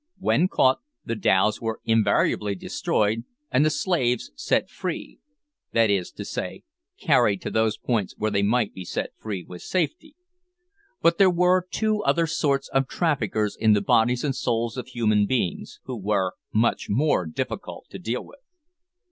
When caught, the dhows were invariably destroyed and the slaves set free that is to say, carried to those ports where they might be set free with safety. But there were two other sorts of traffickers in the bodies and souls of human beings, who were much more difficult to deal with.